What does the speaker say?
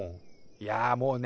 いやもうね。